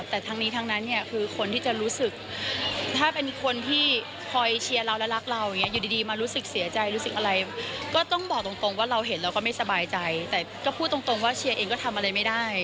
แต่ทั้งนี้ทั้งนั้นเนี่ยคือคนที่จะรู้สึกถ้าเป็นคนที่คอยเชียร์เราและรักเราอย่างนี้อยู่ดีมารู้สึกเสียใจรู้สึกอะไรก็ต้องบอกตรงว่าเราเห็นเราก็ไม่สบายใจแต่ก็พูดตรงว่าเชียร์เองก็ทำอะไรไม่ได้